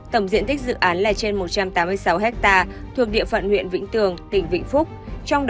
tổng diện tích dự án là trên một trăm tám mươi sáu ha thuộc địa phận huyện vĩnh tường tỉnh vĩnh phúc